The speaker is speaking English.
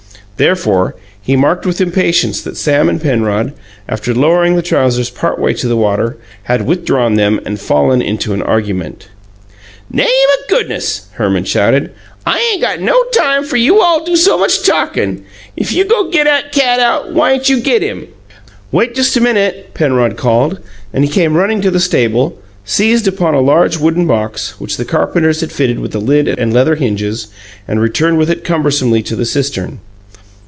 Therefore, he marked with impatience that Sam and Penrod, after lowering the trousers partway to the water, had withdrawn them and fallen into an argument. "Name o' goo'ness!" Herman shouted. "I ain' got no time fer you all do so much talkin'. If you go' git 'at cat out, why'n't you GIT him?" "Wait just a minute," Penrod called, and he came running to the stable, seized upon a large wooden box, which the carpenters had fitted with a lid and leather hinges, and returned with it cumbersomely to the cistern.